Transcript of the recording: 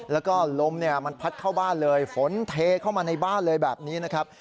แล้วก็ลมเนี่ยมันพัดเข้าบ้านเลยฝนเทเข้ามาในบ้านเลยแบบนี้นะครับ